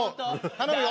頼むよ。